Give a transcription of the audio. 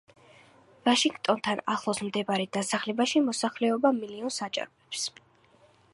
ვაშინგტონთან ახლოს მდებარე დასახლებაში, მოსახლეობა მილიონს აჭარბებს.